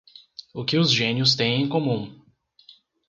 O que os gênios têm em comum